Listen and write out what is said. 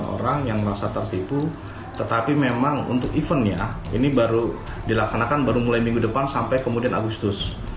dua puluh delapan orang yang merasa tertipu tetapi memang untuk eventnya ini dilakukan baru mulai minggu depan sampai kemudian agustus